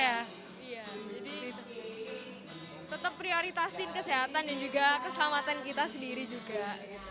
iya jadi tetap prioritasin kesehatan dan juga keselamatan kita sendiri juga